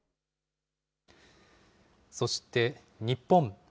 そして日本。